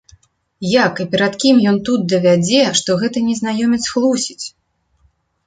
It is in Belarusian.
Як і перад кім ён тут давядзе, што гэты незнаёмец хлусіць?